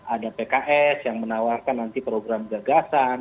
ada pks yang menawarkan nanti program gagasan